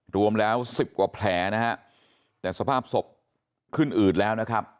รวมแล้วสิบกว่าแผลนะฮะแต่สภาพศพขึ้นอืดแล้วนะครับ